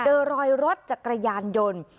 เจอรอยรถจากกระยานยนต์